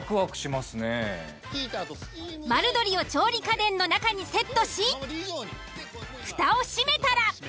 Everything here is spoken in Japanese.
丸鶏を調理家電の中にセットし蓋を閉めたら。